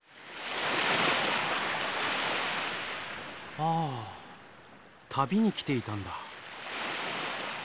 ああ旅に来ていたんだ。